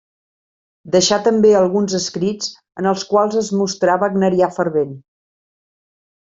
Deixà també alguns escrits en els quals es mostrà wagnerià fervent.